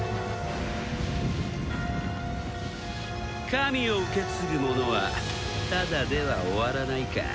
神を受け継ぐ者はただでは終わらないか。